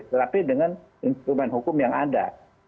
tetapi dengan instrumen hukum yang ada